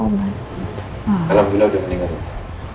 alhamdulillah udah meningan